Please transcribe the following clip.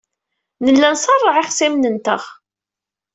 Nella nṣerreɛ ixṣimen-nteɣ.